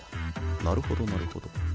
なるほどなるほど。